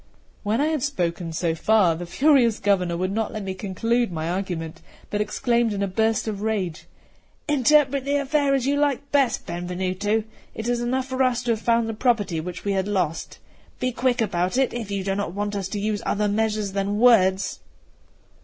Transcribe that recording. When I had spoken so far, the furious Governor would not let me conclude my argument, but exclaimed in a burst of rage: "Interpret the affair as you like best, Benvenuto; it is enough for us to have found the property which we had lost; be quick about it, if you do not want us to use other measures than words."